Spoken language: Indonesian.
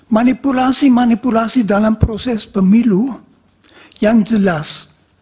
manipulasi manipulasi dalam proses pemilu yang jelas